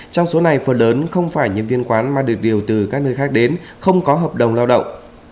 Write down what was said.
trong số này phần lớn không phải nhân viên quán mà được điều từ các nơi khác đến không có hợp đồng lao động